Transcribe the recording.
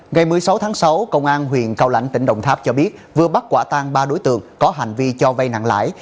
ngày một mươi sáu tháng sáu công an huyện cao lãnh tỉnh đồng tháp cho biết vừa bắt quả tang ba đối tượng có hành vi cho vay nặng lãi